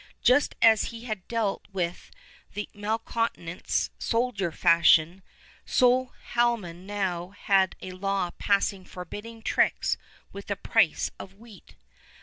Just as he had dealt with the malcontents soldier fashion, so Haldimand now had a law passed forbidding tricks with the price of wheat.